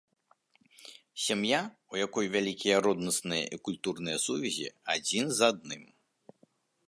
Сям'я, у якой вялікія роднасныя і культурныя сувязі адзін з адным.